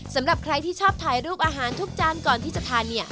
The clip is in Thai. สำหรับใครที่ชอบถ่ายรูปอาหารทุกจานก่อนที่จะทานเนี่ย